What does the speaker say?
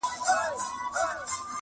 مور او ورور پلان جوړوي او خبري کوي.